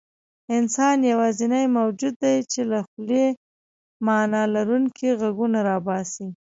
انسان یواځینی موجود دی، چې له خولې معنیلرونکي غږونه راباسي.